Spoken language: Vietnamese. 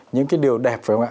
những cái điều đẹp phải không ạ